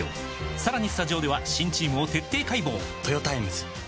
さらにスタジオでは新チームを徹底解剖！